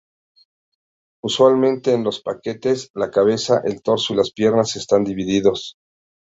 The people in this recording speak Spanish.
Usualmente en los paquetes la cabeza, el torso y las piernas están divididos.